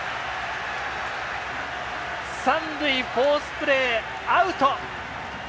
三塁、フォースプレーアウト！